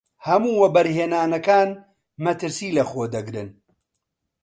هەموو وەبەرهێنانەکان مەترسی لەخۆ دەگرن.